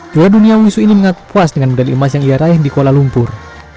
dua dunia wusu ini mengaku puas dengan medali emas yang ia raih di kuala lumpur